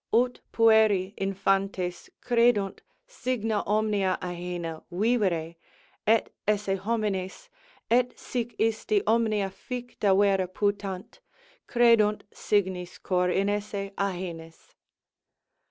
Ut pueri infantes credunt signa omnia ahena Vivere, et esse homines, et sic isti omnia ficta Vera putant, credunt signis cor inesse ahenis.